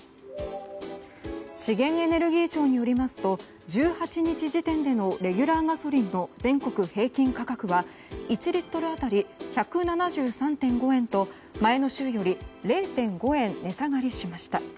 資源エネルギー庁によりますと１８日時点でのレギュラーガソリンの全国平均価格は１リットル当たり１７３．５円と前の週より０．５円値下がりしました。